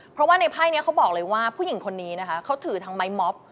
เพราะว่าในไพ่นี้เขาบอกเลยว่าผู้หญิงคนนี้นะคะเขาถือทั้งไม้ม็อบ